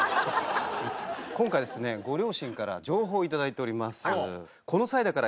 今回ご両親から情報を頂いております。